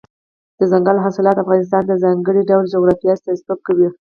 دځنګل حاصلات د افغانستان د ځانګړي ډول جغرافیې استازیتوب کوي.